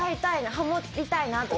ハモりたいなとか。